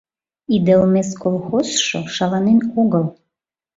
Иделмес колхозшо шаланен огыл.